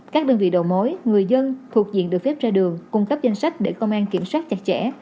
các đơn vị đầu mối người dân thuộc diện được phép ra đường cung cấp danh sách để công an kiểm soát chặt chẽ